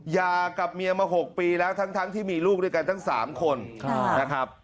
ยากับเมียมา๖ปีแล้วทั้งที่มีลูกด้วยกันทั้ง๓คนนะครับ